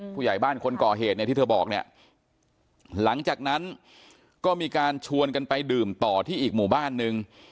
ผู้ใหญ่บ้านคนก่อเหตุเนี่ยที่เธอบอกเนี่ยหลังจากนั้นก็มีการชวนกันไปดื่มต่อที่อีกหมู่บ้านนึง